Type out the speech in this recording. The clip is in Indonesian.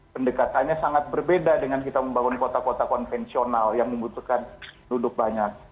pendekatannya sangat berbeda dengan kita membangun kota kota konvensional yang membutuhkan duduk banyak